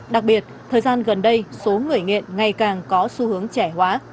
đặc biệt thời gian gần đây số người nghiện ngày càng có xu hướng trẻ hóa